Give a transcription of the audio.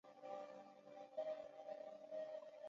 韦尔东。